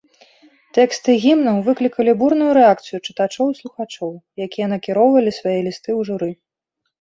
Тэксты гімнаў выклікалі бурную рэакцыю чытачоў і слухачоў, якія накіроўвалі свае лісты ў журы.